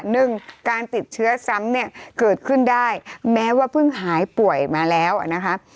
หนึ่งการติดเชื้อซ้ำเนี่ยเกิดขึ้นได้แม้ว่าเพิ่งหายป่วยมาแล้วนะคะ